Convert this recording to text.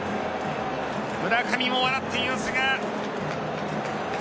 村上も笑っていますが。